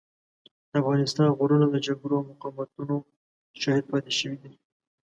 د افغانستان غرونه د جګړو او مقاومتونو شاهد پاتې شوي دي.